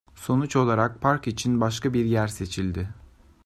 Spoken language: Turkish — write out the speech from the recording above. Sonuç olarak, park için başka bir yer seçildi.